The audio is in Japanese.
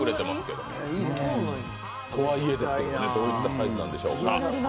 どういったサイズなんでしょうか。